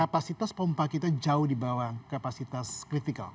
karena kapasitas pompa kita jauh di bawah kapasitas kritikal